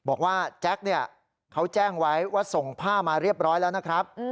แจ็คเนี่ยเขาแจ้งไว้ว่าส่งผ้ามาเรียบร้อยแล้วนะครับ